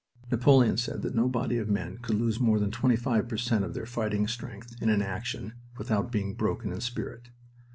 Napoleon said that no body of men could lose more than 25 per cent of their fighting strength in an action without being broken in spirit.